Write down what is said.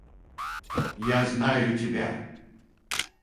Я знаю тебя.